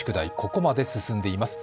ここまで進んでいます。